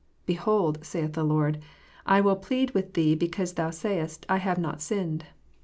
"Behold," saith the Lord, "I will plead with thee because thou sayest, I have not sinned."